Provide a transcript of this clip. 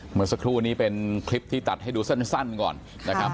เมื่อสักครู่นี้เป็นคลิปที่ตัดให้ดูสั้นก่อนนะครับ